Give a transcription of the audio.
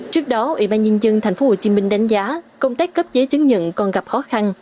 trước đó ủy ban nhân dân tp hcm đánh giá công tác cấp giấy chứng nhận còn gặp khó khăn